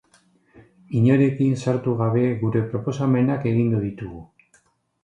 Inorekin sartu gabe gure proposamenak egingo ditugu.